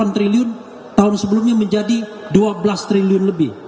delapan triliun tahun sebelumnya menjadi dua belas triliun lebih